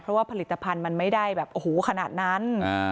เพราะว่าผลิตภัณฑ์มันไม่ได้แบบโอ้โหขนาดนั้น